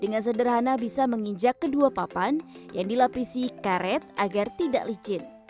dengan sederhana bisa menginjak kedua papan yang dilapisi karet agar tidak licin